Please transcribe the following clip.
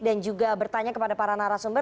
dan juga bertanya kepada para narasumber